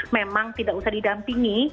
memang tidak usah didampingi